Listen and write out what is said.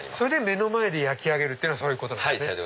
目の前で焼き上げるというのはそういうことなんですね。